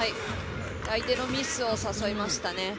相手のミスを誘いましたね。